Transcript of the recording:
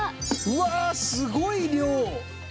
うわあすごい量！